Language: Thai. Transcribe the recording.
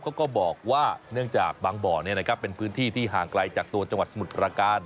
ก็บอกว่าเนื่องจากบางบ่อเป็นพื้นที่ที่ห่างไกลจากตัวจังหวัดสมุทรประการ